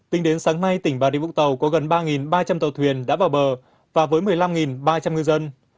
tính đến sáng nay tỉnh bà đi vũng tàu có gần ba ba trăm linh tàu thuyền đã vào bờ và với một mươi năm ba trăm linh ngư dân